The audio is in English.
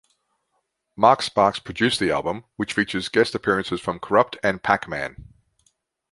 Mark Sparks produced the album, which features guest appearances from Kurupt and Pakman.